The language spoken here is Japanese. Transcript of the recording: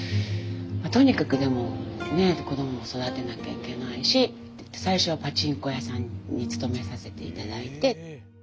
とにかくでもね子どもを育てなきゃいけないし最初はパチンコ屋さんに勤めさせて頂いて。